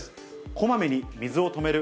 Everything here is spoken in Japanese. こまめに水を止める。